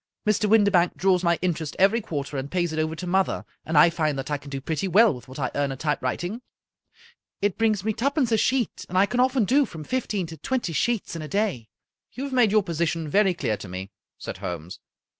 Mr. Windibank draws my inter est every quarter, and pays it over to mother, and I find that I can do pretty well with what I earn at typewriting. It brings me twopence a sheet, and I can often do from fifteen to twenty sheets in a day." "You have made your position very clear to me," said Holmes.